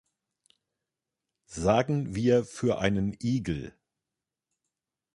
Sagen wir für einen Igel.